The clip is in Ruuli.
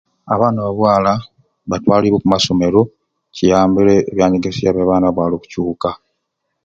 Abaana ba bwala batwaliibwe omu masomero kiyambire ebyanyegesya eby'abaana ba bwala okucuuka